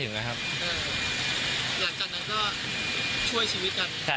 หลังจากนั้นก็ช่วยชีวิตกัน